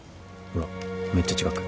ほらめっちゃ近く。